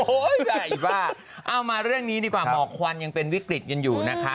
ใหญ่บ้าเอามาเรื่องนี้ดีกว่าหมอกควันยังเป็นวิกฤตกันอยู่นะคะ